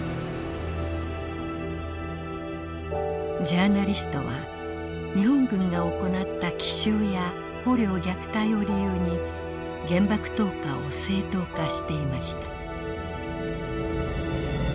ジャーナリストは日本軍が行った奇襲や捕虜虐待を理由に原爆投下を正当化していました。